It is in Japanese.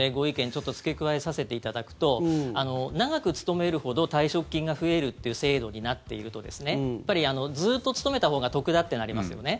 ちょっと付け加えさせていただくと長く勤めるほど退職金が増えるという制度になっているとずっと勤めたほうが得だってなりますよね。